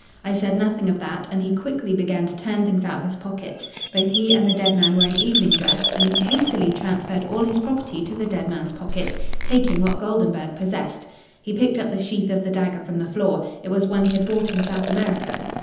I said nothing of that, and he quickly began to turn things out of his pockets. Both he and the dead man were in evening dress, and he hastily transferred all his property to the dead man's pockets, taking what Goldenburg possessed. He picked up the sheath of the dagger from the floor. It was one he had bought in South America.